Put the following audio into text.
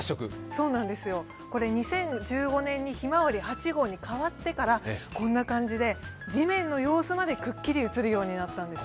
これ２０１５年にひまわりに変わってから地面の様子までくっきり映るようになったんです。